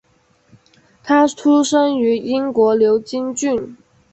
他出生于英国牛津郡。